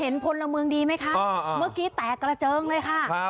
เห็นภนเมืองดีมั้ยคะเมื่อกี้แตกกระเจิงเลยว่ะ